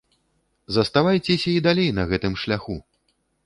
Заставайцеся і далей на гэтым шляху!